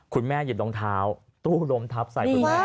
คุณแม่หยิบรองเท้าตู้ล้มทับใส่ตูแม่